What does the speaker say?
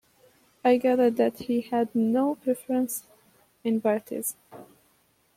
I gathered that he had no preference in parties.